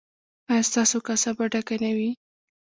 ایا ستاسو کاسه به ډکه نه وي؟